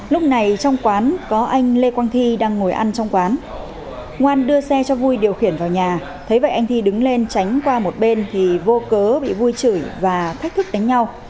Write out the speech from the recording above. lúc này trong quán có anh lê quang thi đang ngồi ăn trong quán ngoan đưa xe cho vui điều khiển vào nhà thế vậy anh thi đứng lên tránh qua một bên thì vô cớ bị vui chửi và thách thức đánh nhau